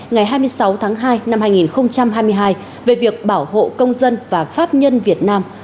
ngày hai mươi sáu tháng hai năm hai nghìn hai mươi hai về việc bảo hộ công dân và pháp nhân việt nam